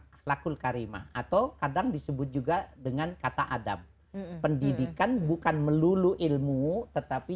akhlakul karimah atau kadang disebut juga dengan kata adab pendidikan bukan melulu ilmu tetapi